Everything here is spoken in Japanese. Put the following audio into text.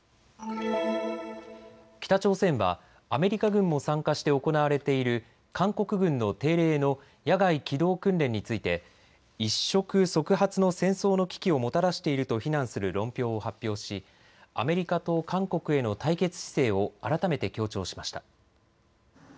北朝鮮はアメリカ軍も参加して行われている韓国軍の定例の野外機動訓練について一触即発の戦争の危機をもたらしていると非難する論評を発表しアメリカと韓国への対決姿勢を改めて強調しました。